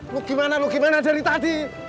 lu gimana lo gimana dari tadi